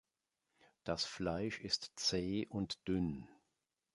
Das Fleisch ist zäh und dünn.